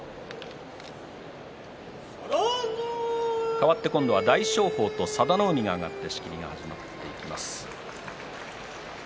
かわって今度は大翔鵬と佐田の海が上がって仕切りが始まっていきます。